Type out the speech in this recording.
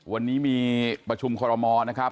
วันนี้มีประชุมคอรมอลนะครับ